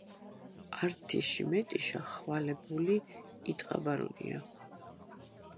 ართიში მეტიშა ხვალე ბული იტყაბარუნია